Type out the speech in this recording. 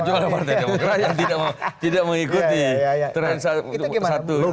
kecuali partai demokrat yang tidak mengikuti tren satu